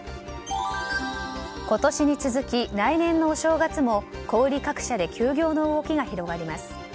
今年に続き、来年のお正月も小売り各社で休業の動きが広がります。